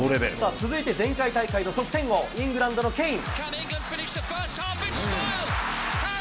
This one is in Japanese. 続いて前回大会の得点王、イングランドのケイン。